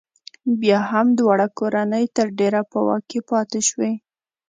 بیا هم دواړه کورنۍ تر ډېره په واک کې پاتې شوې.